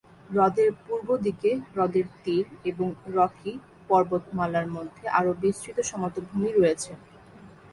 হ্রদের পূর্ব দিকে হ্রদের তীর এবং রকি পর্বতমালার মধ্যে আরও বিস্তৃত সমতল ভূমি রয়েছে।